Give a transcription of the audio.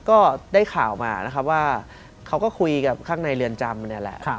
ก็ได้ข่าวมานะครับว่าเขาก็คุยกับข้างในเรือนจำเนี่ยแหละ